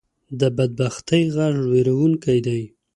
د بدبختۍ غږ وېرونکې دی